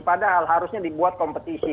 padahal harusnya dibuat kompetisi